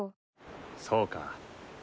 そうか。